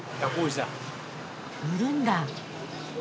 売るんだ。